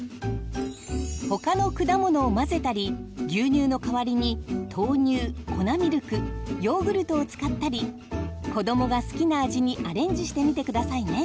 他の果物を混ぜたり牛乳の代わりに豆乳粉ミルクヨーグルトを使ったり子どもが好きな味にアレンジしてみて下さいね！